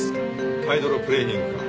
ハイドロプレーニングか。